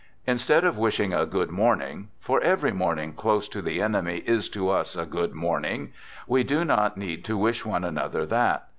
Instead of wishing a good morning, for every morning close to the enemy is to us a good morning; we do not need to wish one another that.